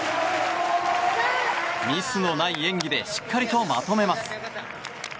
ミスのない演技でしっかりとまとめます。